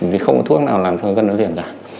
vì không có thuốc nào làm cho gần nó liền cả